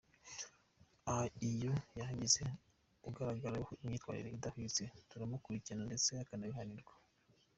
Iyo hagize ugaragarwaho n’imyitwarire idahwitse turamukurikirana ndetse akanabihanirwa.